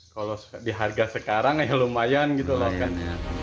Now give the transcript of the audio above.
kalau di harga sekarang ya lumayan gitu loh kan